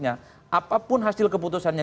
apapun hasil keputusannya